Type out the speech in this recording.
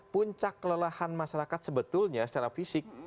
puncak kelelahan masyarakat sebetulnya secara fisik